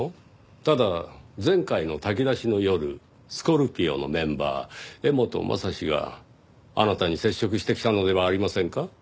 ただ前回の炊き出しの夜スコルピオのメンバー江本雅史があなたに接触してきたのではありませんか？